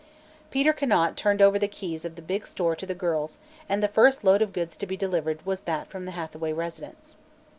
Peter Conant turned over the keys of the big store to the girls and the first load of goods to be delivered was that from the Hathaway residence.